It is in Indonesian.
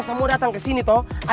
sekarang kita pergi